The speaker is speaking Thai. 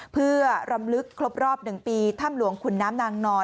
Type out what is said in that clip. เพื่อรำลึกครบรอบ๑ปีถ้ำหลวงขุนน้ำนางนอน